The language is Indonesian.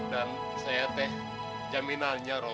dan saya teh jaminannya rok